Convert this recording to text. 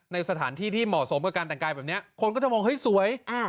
ในสถานที่ที่เหมาะสมกับการแต่งกายแบบนี้คนก็จะมองเฮ้ยสวย